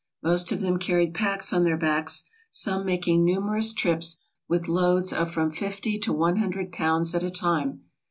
Most of them carried packs on their backs, some making numerous trips with loads of from fifty to one hundred pounds at a time.